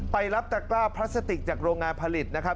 ไปรับตะกร้าพลาสติกจากโรงงานผลิตนะครับ